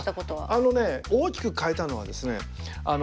あのね大きく変えたのはですね